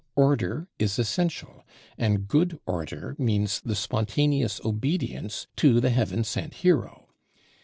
Order is essential; and good order means the spontaneous obedience to the heaven sent hero.